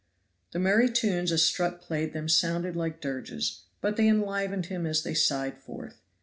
The merry tunes as Strutt played them sounded like dirges, but they enlivened him as they sighed forth.